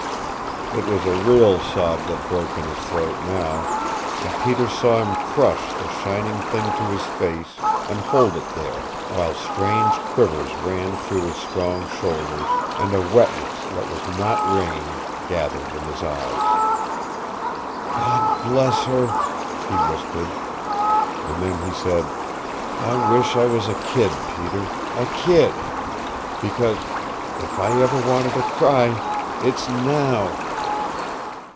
It was a real sob that broke in his throat now, and Peter saw him crush the shining thing to his face, and hold it there, while strange quivers ran through his strong shoulders, and a wetness that was not rain gathered in his eyes. "God bless her!" he whispered. And then he said, "I wish I was a kid, Peter a kid. Because if I ever wanted to cry IT'S NOW."